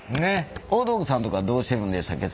大道具さんとかどうしてるんでしたっけ？